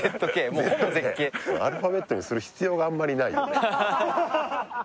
もうほぼ絶景アルファベットにする必要があんまりないよね